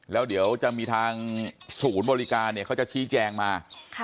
แล้วเดี๋ยวจะมีทางศูนย์บริการเนี่ยเขาจะชี้แจงมา